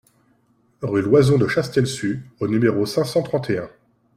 Rue Loyson de Chastelus au numéro cinq cent trente et un